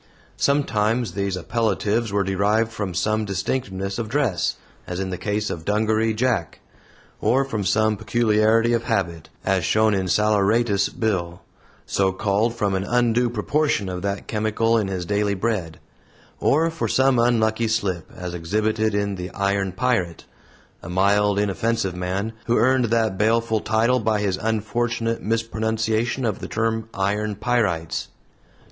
Sometimes these appellatives were derived from some distinctiveness of dress, as in the case of "Dungaree Jack"; or from some peculiarity of habit, as shown in "Saleratus Bill," so called from an undue proportion of that chemical in his daily bread; or for some unlucky slip, as exhibited in "The Iron Pirate," a mild, inoffensive man, who earned that baleful title by his unfortunate mispronunciation of the term "iron pyrites."